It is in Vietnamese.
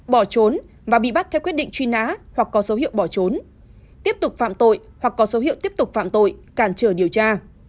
bỏ trốn và bị bắt theo quyết định truy nã hoặc có dấu hiệu bỏ trốn tiếp tục phạm tội hoặc có dấu hiệu tiếp tục phạm tội cản trở điều tra